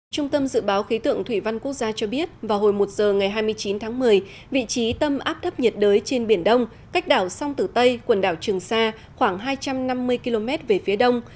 trung tâm dự báo khí tượng thủy văn quốc gia cho biết vào hồi một giờ ngày hai mươi chín tháng một mươi vị trí tâm áp thấp nhiệt đới trên biển đông cách đảo song tử tây quần đảo trường sa khoảng hai trăm năm mươi km về phía đông